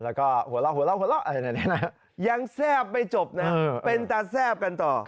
แล้วก็หัวเล่ายังแซ่บไปจบนะเป็นตาแซ่บกันต่อ